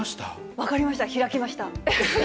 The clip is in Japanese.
分かりました、開きました。